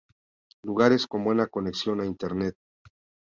Lugares con buena conexión a Internet.